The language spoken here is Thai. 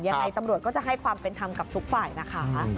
ยังไงตำรวจก็จะให้ความเป็นธรรมกับทุกฝ่ายนะคะ